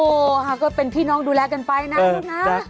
โอหาก็เป็นพี่น้องดูแลกันไปนะลูกหน้า